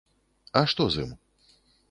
А што з ім?